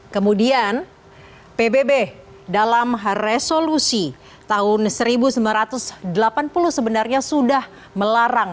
kemudian pbb dalam resolusi tahun seribu sembilan ratus delapan puluh sebenarnya sudah melarang